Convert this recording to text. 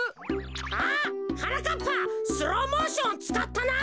あっはなかっぱスローモーションつかったな！